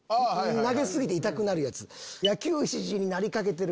投げ過ぎて痛くなるやつ。